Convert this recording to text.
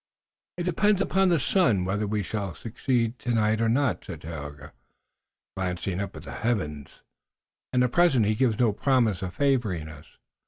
"It depends upon the sun whether we shall succeed tonight or not," said Tayoga, glancing up at the heavens, "and at present he gives no promise of favoring us.